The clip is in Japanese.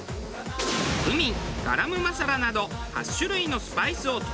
クミンガラムマサラなど８種類のスパイスを投入。